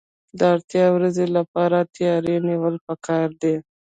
د اړتیا ورځې لپاره تیاری نیول پکار دي.